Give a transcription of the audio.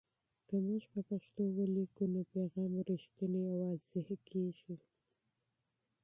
که موږ په پښتو ولیکو، نو پیغام مو رښتینی او واضح کېږي.